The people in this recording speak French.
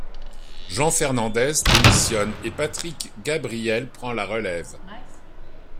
Jean Fernandez démissionne et Patrick Gabriel prend la relève.